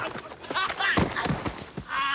ああ。